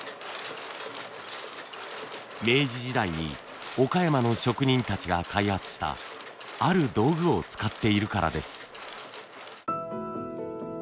明治時代に岡山の職人たちが開発したある道具を使っているからです。